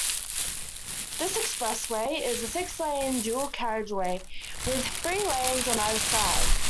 This expressway is a six-lane dual carriageway, with three lanes on either side.